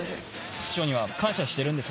室長には感謝してるんです。